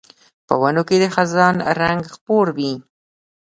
په ونو کې د خزان رنګ خپور وي